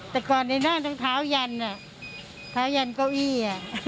แต่ก่อนในนั้นถ้ายันเก้าอี้